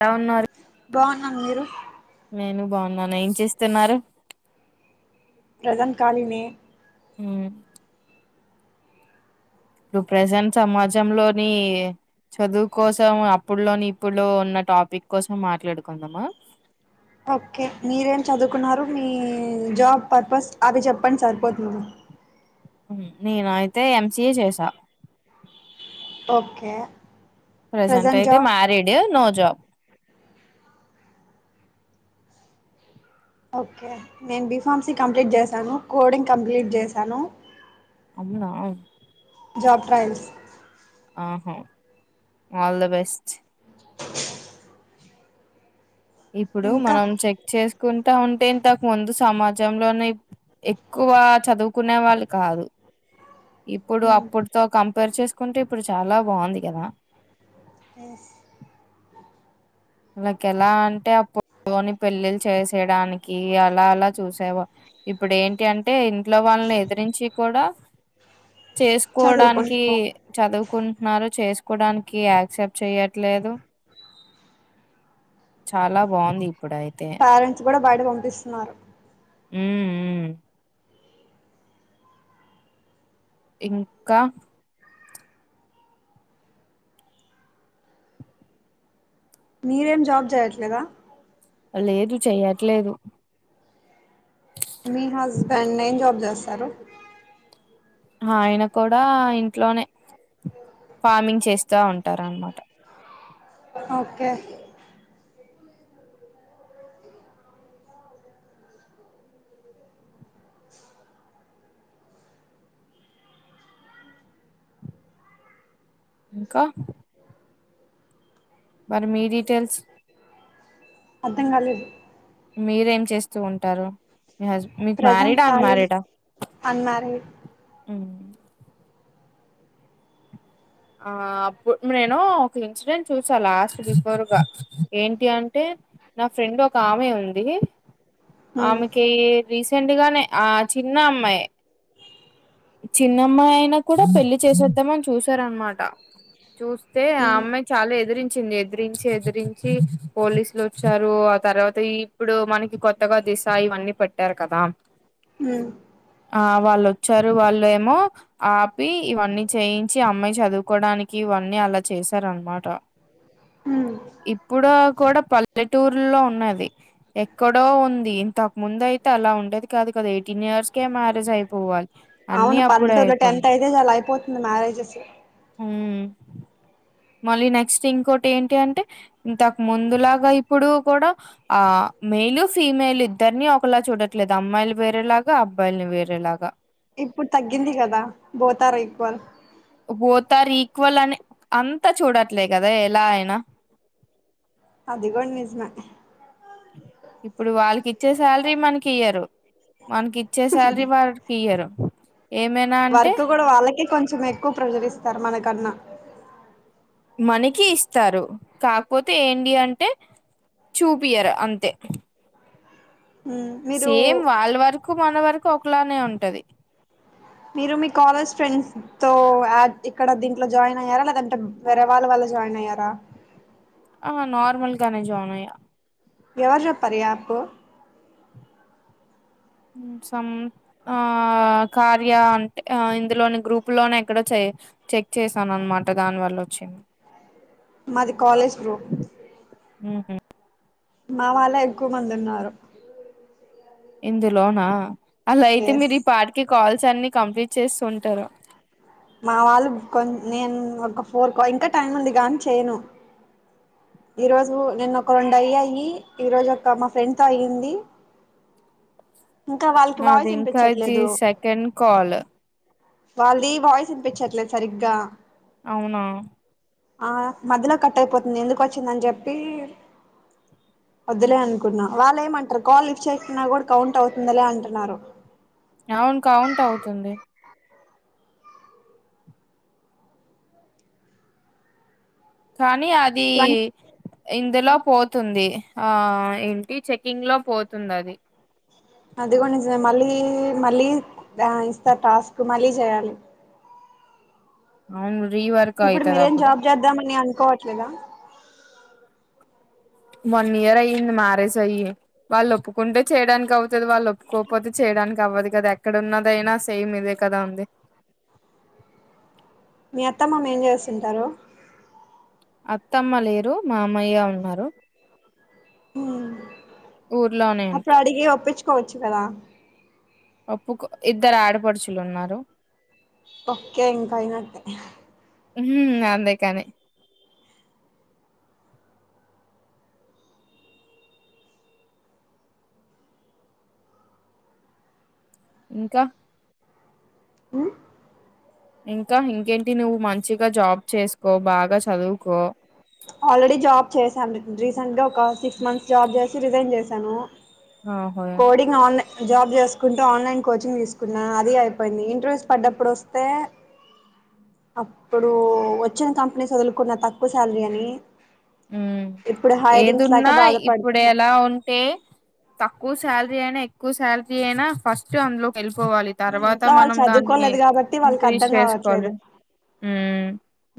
ఎలా వున్నారు బాగున్నా నేను బాగున్నాను ఏం చేస్తున్నారు ప్రజెంట్ కాలీనే ఉ ఇప్పుడు ప్రజెంట్ సమాజంలోని చదువు కోసం అప్పుడులోని ఇప్పుడులో ఉన్న టాపిక్ కోసం మాట్లాడుకుందామా ఓకే మీరేం చదువుకున్నారు మీ జాబ్ పర్పస్ అవి చెప్పండి సరిపోతుంది నేన అయితే ఎంసీఏ చేసా ఓకే ప్రెసెంట్ ప్రజెంట్ అయితే job married no job okay నేను బిఫార్మ్సిీ కంప్లీట్ చేశాను కోడింగ్ కంప్లీట్ చేశాను అవునా జాబ్ ట్రయల్స్ ఆ హ ఆల్ ద బెస్ట్ ఇప్పుడు ఇంకా మనం చెక్ చేసు కుంటా ఉంటే ఇంతకు ముందు సమాజంలోనే ఎక్కువ చదువుకునే వాళ్ళు కాదు ఇప్పుడు అప్పుటితో కంపేర్ చేసుకుంటే ఇప్పుడు చాలా బాగుంది కదా ఎస్ వాళ్ళకి ఎలా అంటే ని పెళ్ళిళ్ళ చేసేయడానికి అలా అలా చూసేవా ఇప్పుడు ఏంటి అంటే ఇంట్లో వాళ్ళని ఎదిరించి కూడా చేసుకోవడానికి చదువుకుంటున్నారు చదువుకుంటున్నారు చేసు కోడానికి యాక్సెప్ట్ చెయట్లేదు చాలా బాగుంది ఇప్పుడైతే పేరెంట్స్ కూడా బయట పంపిస్తున్నారు ఉ ఉ ఇంకా మీరేం జాబ్ చేయట్లేదా లేదు చెయ్యట్లేదు మీ హస్బెండ్ ఏం జాబ్ చేస్త స్తారు ఆయన కూడా ఇంట్లోనే ఫార్మింగ్ చేస్త స్తా ఉంటారు అన్నమాట ఓకే ఇంకా మరి మీ డీటెయిల్స్ అర్ధం కాలేదు మీరేం చేస్తూ ఉంటారు మీ హస్బి ప్రజెంట్ మ్యారిడ్ ఖాళీ అన్మారిడా అన్మ్యారీడ్ ఉ ఆ అప్పుడు నేను ఒక ఇన్సిడెంట్ చూసా లాస్ట్ బిఫోర్గా ఏంటి అంటే నా ఫ్రెండ్ ఒక ఆమె ఉంది. ఆమెకి రిసె పెండ్లిగానే ఆ చిన్న అమ్మాయి చిన్నమ్మాయి అయినా కూడా పెళ్లి చేసేద్దామని చూసారన్న మాట చూస్తే ఆ అమ్మాయి చాలా ఎదిరించింది ఎదిరించి ఎదిరించి పోలీసులు వచ్చారు ఆ తర్వాత ఇప్పుడు మనకి కొత్తగా దిశ ఇవన్నీ పెట్టారు కదా ఉమ్ ఆ వాళ్ళు వచ్చారు. చారు వాళ్ళు ఏమో ఆపి ఇవన్నీ చేయించ్ యిన్చి అమ్మయి చా కోడానికి ఇవన్నీ అలా చేశారనమాట ఉమ్ ఇప్పుడా కూడా పల్లెటూర్లో ఉన్నది ఎక్కడో ఉంది ఇంతకు ముందు అయితే అలా ఉండేది కాదు కదా ఎయిటీన్ ఇయర్స్కే మ్యారేజ్ అయిపోవాలి అన్ని అవును అప్పుడే పల్లెటూరులో అయిపోను టెన్త్ అయితే చాలా అయిపోతుంది మ్యారేజెస్ హ మళ్ళీ నెక్స్ట్ ఇంకోటి ఏంటి అంటే ఇంతకు ముందులాగా ఇప్పుడు కూడా ఆ మేయిలు ఫీమేల్ ఇద్దరిని ఒకలా చూడ ట్లాలేదు అమ్మాయిలు వేరేలాగా అబ్బ అబ్బాయిలని వేరేలాగా ఇప్పుడు తగ్గింది కదా both are equal both are equal అని అంతా చూడట్లే కదా ఎలా అయినా అది కూడ నిజమే ఇప్పుడు వాళ్ళకి ఇచ్చే శాలరీ మనకి ఇయ్యరు మనకి ఇచ్చే శాలరీ వారికి ఇయ్యరు ఏమైనా అంటే వర్క్ కూడా కన్నా మనకి ఇస్తారు కాకపోతే ఏంటి అంటే చూపియరు అంతే ఉమ్ మీరు సేమ్ వాళ్ళ వరకు మనవరకు కోక్లానే ఉంటది మీరు మీ కాలేజ్ ఫ్రెండ్స్ తో యా ఇక్కడ దీంట్లో జాయిన్ అయ్యారా లేదంటే వేరే వాళ్ళ వల్ల జాయిన్ అయ్యారా ఆ నార్మల్గానే జాయినయ్య ఎవరు చెప్పారు ఈ యాప్ ఆహ్ సమ్ ఆ కార్య అంటే ఇందులోని గ్రూప్ లోనే ఎక్కడ చే చెక్ చేసాను అనమాట దానివల్ల వచ్చింది. మాది కాలేజ్ గ్రూప్ హుహ్ మా వాళ ఎక్కువ మంది ఉన్నారు. ఇందులోనా అలా అయితే ఎస్ మీరు ఈ పాటికి కాల్ క్స్ అన్ని కంప్లీట్ చేసింటారు మా వాళ్ళు కొన్ నేను ఒక ఫోర్ కో ఇంకా టైం ఉంది గా అని చేయను ఈ రోజు నిన్నా ఒక రెండు అయ్యాయి ఈరోజు ఒక మా ఫ్రెండ్ తో అయ్యింది ఇంకా వాళ్ళకి వాయిస్ నాది ఇంకా ఇది వినిపించట్లేదు సెకండ్ కాల్ వాళ్ళది వాయిస్ వినిపించట్లేదు సరిగ్గా అవునా ఆ మధ్యలో కట్ అయిపోతుంది ఎందుకు వచ్చి వచ్చిందని చెప్పి వద్దులే అనుకున్నా వాళ్ళు ఏమంటారు కాల్ లిప్ట్ చేసిన కూడా కౌంట్ అవుతుందలే అంటున్నారు. అవును కవుంట్ అవుతుంది కానీ అది ఇందులో పోతుంది ఆ ఏంటి చెక్కింగ్ లో పోతుంది అది అది కూడా మళ్ళీ మళ్ళీ ఇస్తారు టాస్క్ మళ్ళీ చేయాలి అవును రీవర్క్ ఇప్పుడు అయితది మీరేం అప్పుడు జాబ్ చేద్దామని అ పోవట్లేదా వన్ ఇయర్ అయ్యంది మ్యారేజ్ అయ్యి వాళ్ళు ఒప్పుకుంటే చేయడానికి అవుతుంది వాళ్ళు ఒప్పుకోకపోతే చేయడానికి అవ్వదు కదా ఎక్కడ ఉన్నదయినా సేమ్ ఇదే కదా ఉంది మీ అత్తమ్మమ ఏం చేస్తుంటారు అత్తమ్మ లేరు మా అమ్మయ్య ఉన్నారు ఊర్లోనే అంట అప్పుడు అడిగే ఒప్పించుకోవచ్చు కదా ఒప్పు ఇద్దరు ఆడపడుచులు ఉన్నారు ఓకే ఇంకా అయినట్టే ఉ అంతే కాని ఇంకా ఉమ్ ఇంకా ఇంకేంటి నువ్వు మంచిగా జాబ్ చేసుకో బాగా చదువుకో ఆల్రెడీ జాబ్ చేశాం రీసెంట్ గా ఒక సిక్స్ మంత్స్ జాబ్ చేసి రిజైన్ చేసి తను ఆ హ జాబ్ చేసుకుంటూ ఆన్లైన్ కోచింగ్ తీసుకున్న అది అయిపోయింది ఇంటర్వ్యూస్ పడ్డప్పుడు వస్తే అప్పుడు వచ్చిన కంపెనీ వదులుకున్న తక్కువ శాలరీ అని ఉ ఇప్పుడు హైరింగ్స్ లేక ఏదున్నా ఇప్పుడు బాధపడుతున్నా ఎలా ఉంటే తక్కువఎక్కువ శాలరీ అయినా ఎక్కువ శాలరీ అయినా ఫస్ట్ అందులో వెళ్ళిపోవాలి మా తర్వాత ఇంట్లో వాళ్ళు మనం దాన్ని చదువుకోలేదు కాబట్టి వాళ్ళకి ఇంక్రీజ్ అర్థం చేసుకోవాలి కావట్లేదు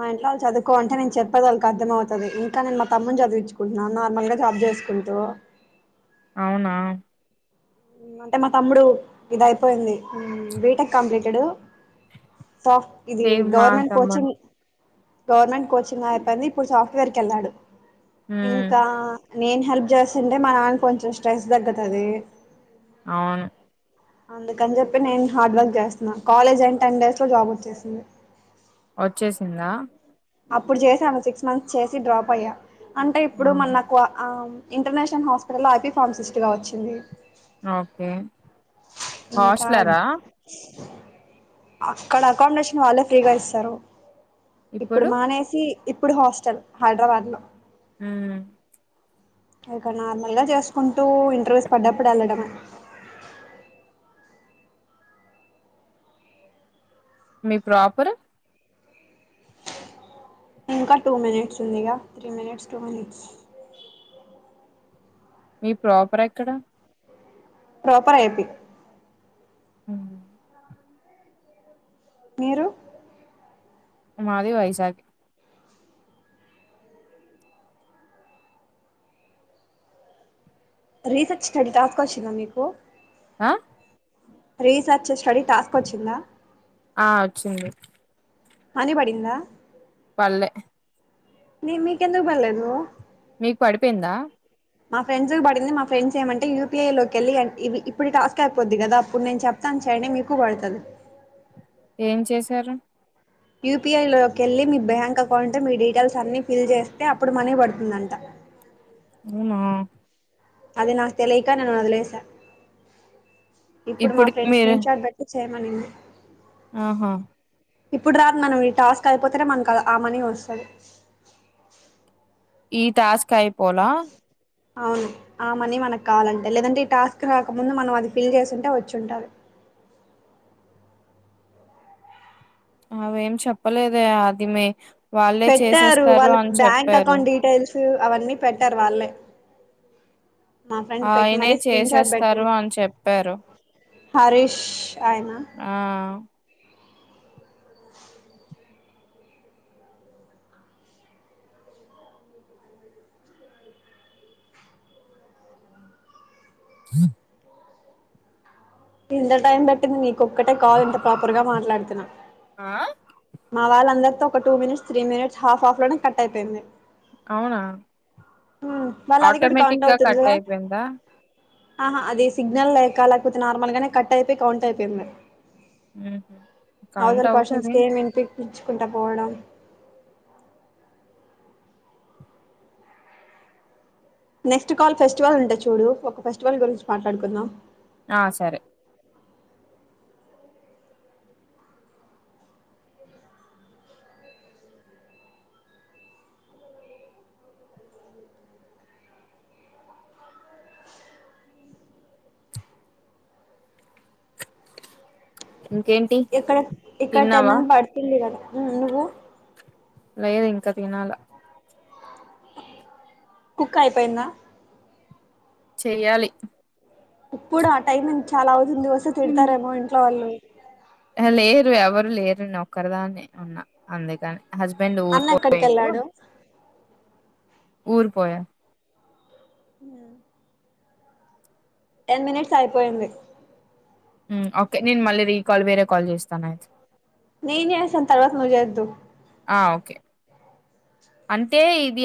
మా ఇంట్లో వాళ్ళ చదువుకో అంటే నేను చెప్పేది వాళ్ళకి అర్థం అవుతుంది ఇంకా నేను మా తమ్ముని చదివించుకుంటున్నాను నార్మల్ గా జాబ్ చేసుకుంటూ అవునా అంటే మా తమ్ముడు ఇది అయిపోయింది బీటెక్ కంప్లీటెడు సోఫ ఇది సేమ్ మా గవర్నమెంట్ తమ్మున్ కోచింగ్ గవర్నమెంట్ కోచింగ్ అయిబంది ఇప్పుడు సాఫ్ట్వేర్ కి వెళ్ళాడు ఉమ్ ఇంకా నేను హెల్ప్ చేస్తుంటే మా నాన్న కొంచెం స్ట్రెస్ తగుతది అవును అందుకని చెప్పి నేను హార్డ్ వర్క్ చేస్తున్నా కాలేజ్ అని టెన్ డేస్ లో జాబ్ వచ్చేసింది వచ్చేసిందా అప్పుడు చేసి ఆమె సిక్స్ మంత్స్ చేసి డ్రాప్ అయ్యా అంటే ఇప్పుడు ఆహా మనకు ఆ ఇంటర్నేషనల్ హాస్పిటల్ ఐపీ ఫార్మసిస్ట్గా వచ్చింది ఓకే ఇంకా హోస్టెలారా అక్కడ అకామిడేషన్ వాళ్ళే ఫ్రీగా ఇస్తారు ఇప్పుడు మానేసి ఇప్పుడు హాస్టల్ హైదరాబాద్ లో ఉమ్ ఇక నార్మల్గా చేసుకుంటూ ఇంటర్వ్యూస్ పడ్డప్పుడు వెళ్ళడం మీ ప్రాపరు ఇంకా టూ మినిట్స్ ఉందిగా త్రీ మినిట్స్ టూ మినిట్స్ మీ ప్రాపర్ ఎక్కడ ప్రాపర్ అయిపి ఉహు మీరు మాది వైజాగ్ రీసెర్చ్ స్టడీ టాస్క్ వచ్చిందా మీకు ఆ రీ సర్చ్ స్టడీ టాస్క్ వచ్చిందా ఆ వచ్చింది మని పడిందా పల్ళె నీ మీకు ఎందుకు పళ్లేదు మీకు పడిపోయిందా మా ఫ్రెండ్స్ పడింది మా ఫ్రెండ్స్ ఏమంటే యూపీఐ లోకిెళ్ళి ఇప్పుడు టాస్క్ అయిపోద్ది కదా అప్పుడు నేను చెప్తాను చేయండి మీకు పడతది ఏం చేశారు యూపీఐలోకి వెళ్ళి మీ బ్యాంక్ అకౌంట్ మీ డీటెయిల్స్ అన్ని ఫిల్ చేస్తే అప్పుడు మనీ పడుతుందంట అవునా అది నాకు తెలియక నేను వదిలేస ఇప్పుడు మా ఫ్రెండ్స్ స్క్రీన్ షాట్ బెట్టిసి చేయమనింది ఆహా ఇప్పుడు రాదు మనం ఈ టాస్క్ అయిపోతేనే మనకు ఆ మనీ వస్తది ఈ టాస్క్ అయి పోలా అవును ఆ మనీ మనకు కావాలంటే లేదంటే ఈ టాస్క్ రాకముందు మనం అది ఫిల్ చేసుంటే వచ్చుంటాది అవేం చెప్పలేదే అది మీ పెట్టారు వాళ్ళ బ్యాంక్ అకౌంట్ డీటెయిల్స్ అవన్నీ పెట్టారు వాళ్ళే మా ఫ్రెండ్ పెట్టి ఆయనే మరీ స్క్రీన్ షాట్ చేసేస్తారు పెట్టింది అని చెప్పారు హరీష్ ఆయన ఆ హ ఎంత టైం పట్టింది మీ ఒక్కటే కాల్ ఇంత ప్రాపర్ గా మాట్లాడుతున్నా ఆ మా వాళ్ళందరితో ఒక two minutes three minutes half of లోనే కట్ అయిపోయింది అవునా వాళ్ళ అది కూడా కౌంట్ ఆటోమేటిక్ గా అవుతుంది కట్ కదా అయిపోయిందా ఆహా అది సిగ్నల్ లేక లేకపోతే నార్మల్ గానే కట్ అయిపోయి కౌంట్ అయిపోయింది ఊహు కౌంట్ అవుతది పీల్చుకుండా పోవడం నెక్స్ట్ కాల్ ఫెస్టివల్ ఉంటా చూడు ఒక ఫెస్టివల్ గురించి మాట్లాడుకుందాం ఆ సరే ఇంకేంటి ఇక్కడ ఇక్కడ తిన్నావా టెన్నిన్ పడుతుంది కదా హ్మ్ నువ్వు లేదు ఇంక తినాల కుక్ అయిపోయిందా చెయ్యాలి ఇప్పుడు ఆ టైం చాలా వు ముందు వస్తే తిడతారేమో ఇంట్లో వాళ్ళు ఆహా లేరు ఎవరు లేరుని ఒక్కదాన్నే ఉన్న అందుకని హస్బెండ్ ఊరి అన్న ఎక్కడికి పోయిండు వెళ్ళాడు ఊర్ పోయా హ్మ్ టెన్ మినిట్స్ అయిపోయింది హ్మ్ ఒకే నేను మళ్ళీ రీకాల్ వేరే కాల్ చేస్తాను అయితే నేన్ చేస్త తర్వాత నువ్ చేద్దు ఆ ఒకే అంటే ఇది